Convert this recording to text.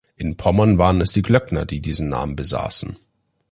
In Pommern waren es die Glöckner, die diesen Namen besaßen.